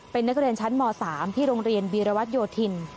เป็นนักเรียนชั้นม๓ที่โรงเรียนวีรวัตโยธิน